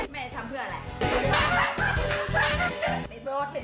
แม่ทำเพื่ออะไร